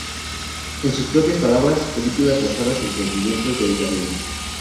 En sus propias palabras, películas basadas en sentimientos de aislamiento.